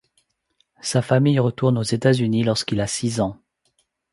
Sa famille retourne aux États-Unis lorsqu'il a six ans.